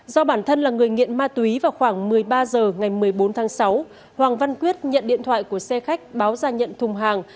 do bản thân là người nghiện ma túy vào khoảng một mươi ba h ngày một mươi bốn tháng sáu hoàng văn quyết nhận điện thoại của xe khách báo ra nhận thùng hàng